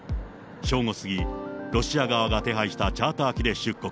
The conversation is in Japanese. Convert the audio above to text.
正午過ぎ、ロシア側が手配したチャーター機で出国。